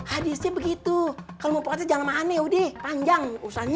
haditsnya begitu kalau mau pelatih jangan sama aneh yaudih panjang usahanya